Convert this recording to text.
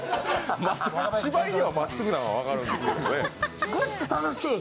芝居にはまっすぐなのは分かるんですけどね。